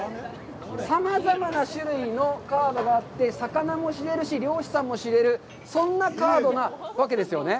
さまざまな種類のカードがあって、魚も知れるし、漁師さんも知れる、そんなカードなわけですよね。